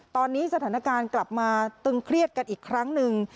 ตอนนี้สถานการณ์กลับมาตึงเครียดกันอีกครั้งหนึ่ง